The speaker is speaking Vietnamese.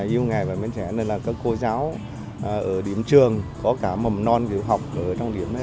yêu nghề và mến trẻ nên là các cô giáo ở điểm trường có cả mầm non kiểu học ở trong điểm này